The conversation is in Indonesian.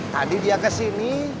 tadi dia kesini